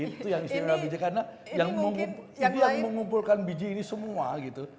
itu yang istimewa biji karena yang mengumpulkan biji ini semua gitu